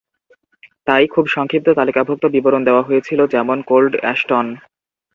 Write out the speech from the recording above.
তাই, খুব সংক্ষিপ্ত, তালিকাভুক্ত বিবরণ দেওয়া হয়েছিল যেমন কোল্ড অ্যাশটন।